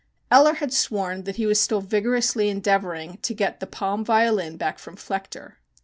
Eller had sworn that he was still vigorously endeavoring to get the Palm violin back from Flechter.